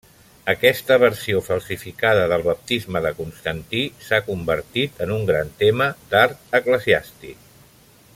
Aquesta versió falsificada del baptisme de Constantí s'ha convertit en un gran tema d'art eclesiàstic.